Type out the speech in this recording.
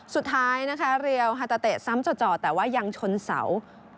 สุดท้ายนะคะเรียวฮาตาเตะซ้ำจ่อแต่ว่ายังชนเสา